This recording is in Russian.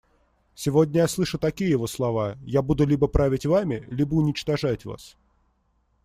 Сегодня я слышу такие его слова: «Я буду либо править вами, либо уничтожать вас».